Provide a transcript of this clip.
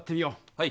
はい。